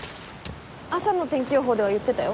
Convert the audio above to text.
朝の天気予報では言ってたよ。